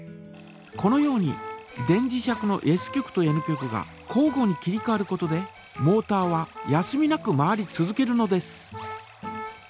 このように電磁石のＳ極とＮ極が交ごに切りかわることでモータは休みなく回り続けるのです。